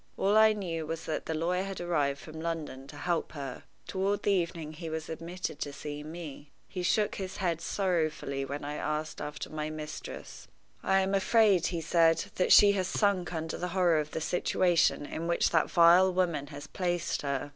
All I knew was that the lawyer had arrived from London to help her. Toward the evening he was admitted to see me. He shook his head sorrowfully when I asked after my mistress. "I am afraid," he said, "that she has sunk under the horror of the situation in which that vile woman has placed her.